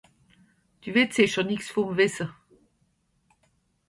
Dü wìtt sìcher nìx vùm wìsse ?